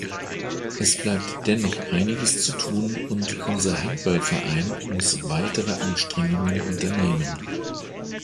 Es bleibt dennoch einiges zu tun und unser Handballverein muss weitere Anstrengungen unternehmen.